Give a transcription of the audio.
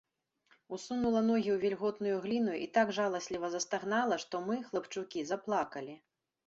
Усунула ногі ў вільготную гліну і так жаласліва застагнала, што мы, хлапчукі, заплакалі.